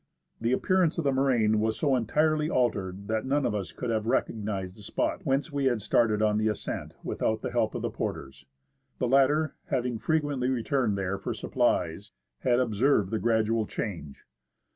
The appearance of the moraine was so entirely altered that none of us could have recognised the spot whence we started on the ascent without the help of the porters. The latter, having frequently returned there for supplies, had observed the gradual change.